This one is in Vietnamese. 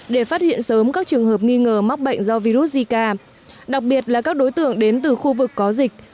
để phát hiện sớm các trường hợp nghi ngờ mắc bệnh do virus zika đặc biệt là các đối tượng đến từ khu vực có dịch